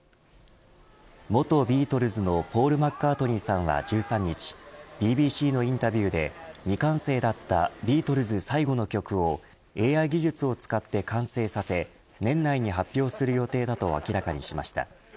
元ビートルズのポール・マッカートニーさんは１３日ＢＢＣのインタビューで未完成だったビートルズ最後の曲をＡＩ技術を使って完成させ年内に発表する予定だと明らかにしました。